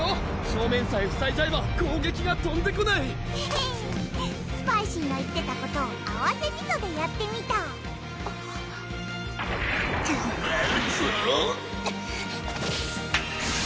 正面さえふさいじゃえば攻撃がとんでこないヘヘスパイシーの言ってたことを合わせみそでやってみたウバウゾー！